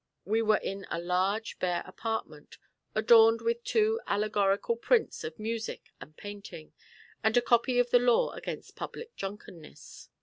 We were in a large bare apartment, adorned with two allegorical prints of Music and Painting, and a copy of the law against public drunkenness.